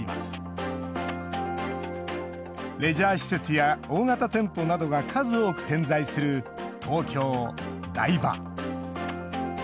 レジャー施設や大型店舗などが数多く点在する東京・台場。